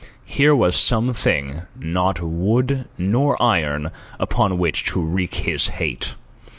Here was some thing, not wood nor iron, upon which to wreak his hate.